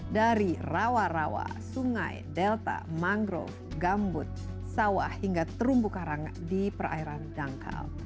dari rawa rawa sungai delta mangrove gambut sawah hingga terumbu karang di perairan dangkal